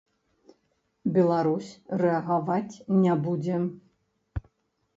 Беларусь рэагаваць не будзе.